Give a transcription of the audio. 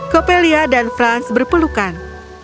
coppelia dan franz berpelukan